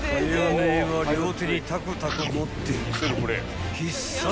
姉は両手にタコタコ持って必殺！